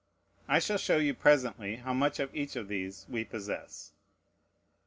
I shall show you presently how much of each of these we possess.